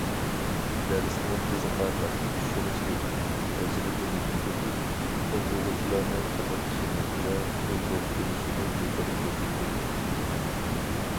دەرسنى قىزىقارلىق، چۈشىنىشلىك، تەجرىبىلىك ئۆتۈپ، ئوقۇغۇچىلارنىڭ قىزىقىشىنى ۋە ئۆزلەشتۈرۈشىنى يۇقىرى كۆتۈردى.